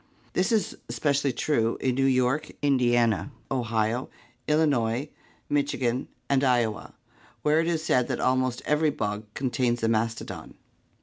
This is especially true in New York, Indiana, Ohio, Illinois, Michi gan, and Iowa, where it is said that almost every bog contains a mastodon.